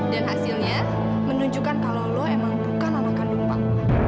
dan hasilnya menunjukkan kalau lo emang bukan anak kandung pak